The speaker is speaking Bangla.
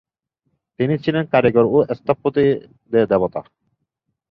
তিনি ছিলেন কারিগর ও স্থপতিদের দেবতা।